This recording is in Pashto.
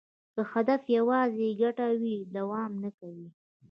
که هدف یوازې ګټه وي، دوام نه کوي.